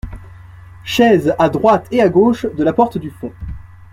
Chaise à droite et à gauche de la porte du fond.